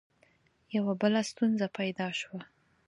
یوه بله ستونزه پیدا شوه.